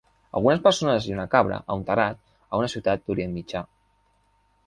Algunes persones i una cabra a un terrat a una ciutat d'Orient Mitjà.